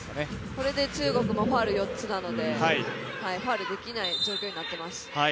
これで中国もファウル４つなので、ファウルできない状況になっています。